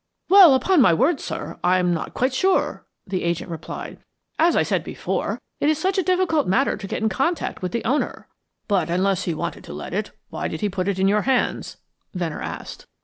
"Well, upon my word, sir, I'm not quite sure," the agent replied. "As I said before, it is such a difficult matter to get in contact with the owner." "But unless he wanted to let it, why did he put it in your hands?" Venner asked.